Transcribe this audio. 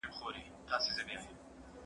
کېدای سي لوبه اوږده سي!!